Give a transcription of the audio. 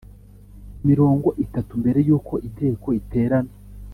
mirongo itatu mbere yuko inteko iterana